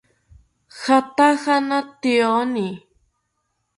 Jatana tyoeni